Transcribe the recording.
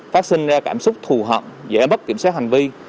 phát sinh ra cảm xúc thù hận dễ bất kiểm soát hành vi